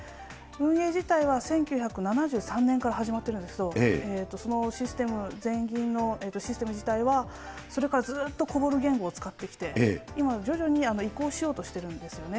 運営自体は１９７３年から始まってるんですけど、そのシステム、全銀のシステム自体はそれからずっとコボル言語を使ってきて、今、徐々に移行しようとしているんですよね。